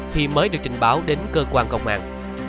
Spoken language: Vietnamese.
thì mới được trình báo đến cơ quan công an